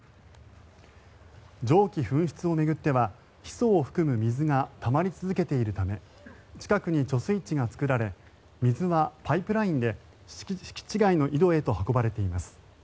蒸気噴出を巡ってはヒ素を含む水がたまり続けているため近くに貯水池が作られ水はパイプラインで敷地外の井戸へと運ばれています。